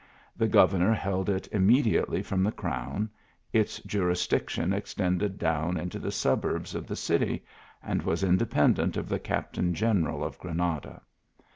The governor held it immediately from the crown : its jurisdiction ex tended down into the suburbs of the city, and was independent of the captain general of Granada.